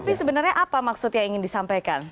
tapi sebenarnya apa maksudnya ingin disampaikan